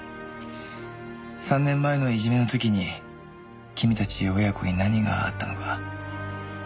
３年前のいじめの時に君たち親子に何があったのか。